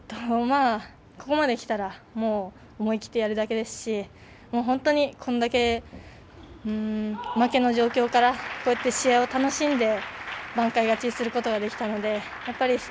ここまできたらもう思い切ってやるだけですし本当にこれだけ負けの状況からこうやって試合を楽しんで挽回勝ちすることができたのでやっぱり